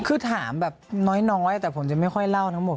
คือถามแบบน้อยแต่ผมจะไม่ค่อยเล่าทั้งหมด